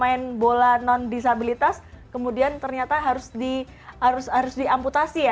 pengen jadi pemain bola non disabilitas kemudian ternyata harus diamputasi ya